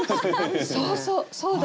そうそうそうです。